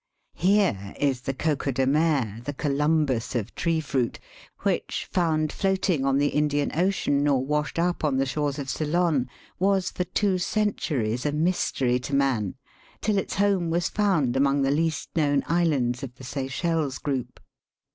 Here is the coco de mer, the Columbus of tree fruit, which, found floating on the Indian Ocean or washed up on the shores of Ceylon, was for two centuries a mystery to man, till its home was found among the least known islands of tl^ Seychelles group.